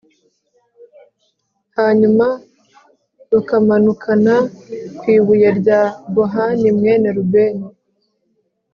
hanyuma rukamanukana ku ibuye rya bohani, mwene rubeni